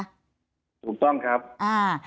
ถูกต้องครับ